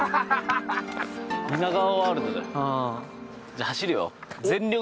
じゃあ走るよ。